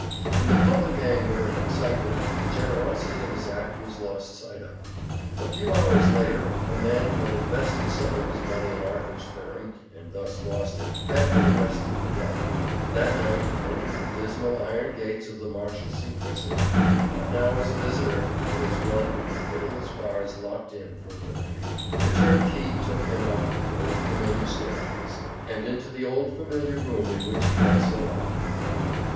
In the public anger and excitement the generosity of his act was lost sight of. A few hours later a man who had invested some of his money in Arthur's firm, and thus lost it, had him arrested for debt, and that night he entered the dismal iron gates of the Marshalsea prison, not now as a visitor, but as one whom the pitiless bars locked in from liberty. The turnkey took him up the old familiar staircase and into the old familiar room in which he had so often been.